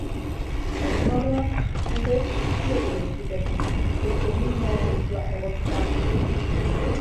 Horren aurrean, agenteek atxilotu egin zuten, exhibizionismo delitua egotzita.